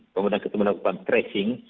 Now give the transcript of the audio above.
kemudian kita melakukan tracing